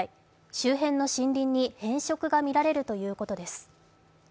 周辺の森林に変色が見られるということです。